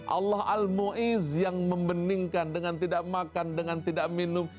allah al ⁇ muiz yang membeningkan dengan tidak makan dengan tidak minum